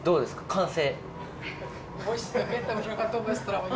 完成。